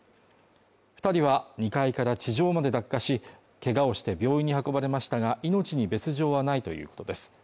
２人は２階から地上まで落下し、けがをして病院に運ばれましたが命に別状はないということです。